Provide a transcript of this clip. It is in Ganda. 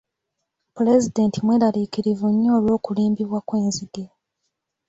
Pulezidenti mweraliikirivu nnyo olw'okulumbibwa kw'enzige.